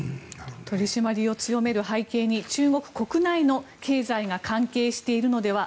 取り締まりを強める背景に中国国内の経済が関係しているのでは。